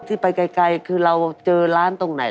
ที่ไปไกลคือเราเจอร้านตรงไหน